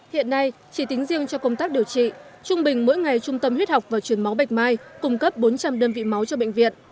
hiện nay chỉ tính riêng cho công tác điều trị trung bình mỗi ngày trung tâm huyết học và truyền máu bạch mai cung cấp bốn trăm linh đơn vị máu cho bệnh viện